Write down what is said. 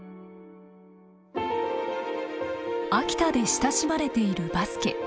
秋田で親しまれているバスケ。